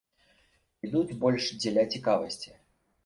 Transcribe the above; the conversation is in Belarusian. Ідуць больш дзеля цікавасці.